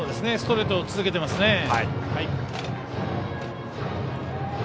ストレート、続けてますね。